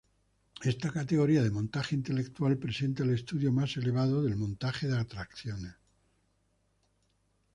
Esta categoría de montaje intelectual presenta el estudio más elevado del montaje de atracciones.